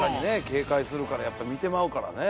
警戒するからやっぱ見てまうからね。